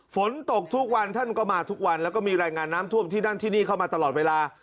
ฝนตกทุกวันท่านก็มาทุกวันแล้วก็มีรายงานน้ำท่วมที่นั่นที่นี่เข้ามาตลอดเวลา